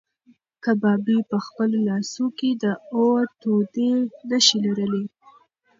کبابي په خپلو لاسو کې د اور تودې نښې لرلې.